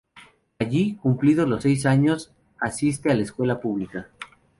Allí, cumplidos los seis años, asiste a la escuela pública.